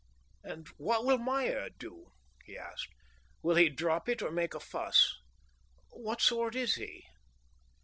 "And what will Meyer do?" he asked. "Will he drop it or make a fuss? What sort is he?"